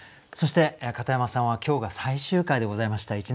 そして片山さんは今日が最終回でございました。